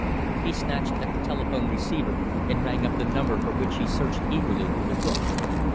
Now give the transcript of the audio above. He snatched at the telephone receiver and rang up the number for which he searched eagerly through the book.